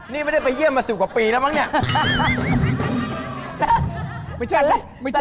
นี่ไม่ได้ไปเยี่ยมมา๑๐กว่าปีแล้วมั้งเนี่ย